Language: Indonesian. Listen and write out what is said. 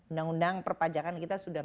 undang undang perpajakan kita sudah